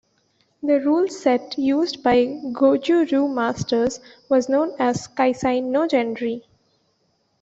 The rule set used by Gōjū-ryū masters was known as Kaisai no genri.